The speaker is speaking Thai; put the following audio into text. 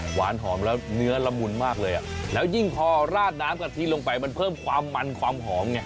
หวานหอมแล้วเนื้อละมุนมากเลยอ่ะแล้วยิ่งพอราดน้ำกะทิลงไปมันเพิ่มความมันความหอมไง